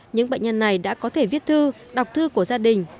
những bệnh nhân này đã có thể viết thư đọc thư của gia đình